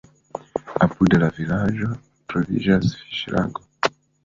Apud la vilaĝo troviĝas fiŝlago.